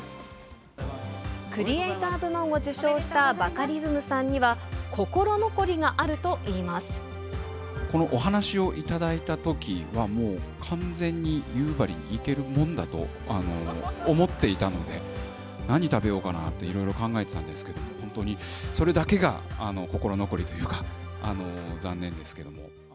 クリエイター部門を受賞したバカリズムさんには、心残りがあるとこのお話を頂いたときは、もう完全に夕張に行けるもんだと思っていたので、何食べようかなといろいろ考えてたんですけど、本当に、それだけが心残りというか、残念ですけども。